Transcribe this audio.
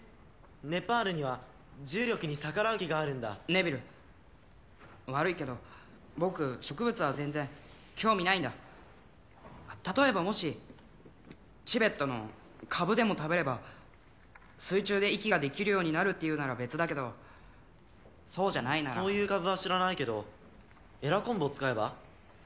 ネパールには重力に逆らう木があるんだネビル悪いけど僕植物は全然興味ないんだあっ例えばもしチベットのカブでも食べれば水中で息ができるようになるっていうなら別だけどそうじゃないならそういうカブは知らないけど鰓昆布を使えば？